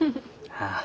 ああ。